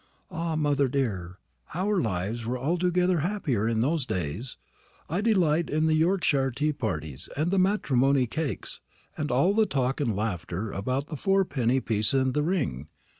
"Ah, mother dear, our lives were altogether happier in those days. I delight in the Yorkshire tea parties, and the matrimony cakes, and all the talk and laughter about the fourpenny piece and the ring.